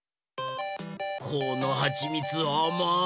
このはちみつあまい！